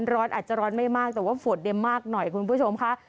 ร้อนอาจจะร้อนไม่มากแต่ว่าฝนเนี่ยมากหน่อยคุณผู้ชมค่ะ